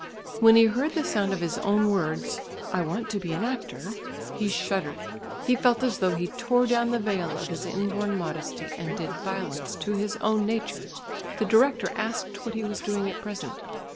When he heard the sound of his own words "I want to be an actor," he shuddered. He felt as though he tore down the veil of his inborn modesty, and did violence to his own nature. The director asked what he was doing at present.